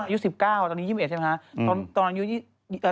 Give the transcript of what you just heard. ย้อนไปตอนยุ๑๙ตอนนี้๒๑ใช่ไหมคะ